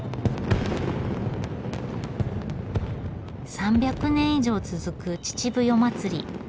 ３００年以上続く秩父夜祭。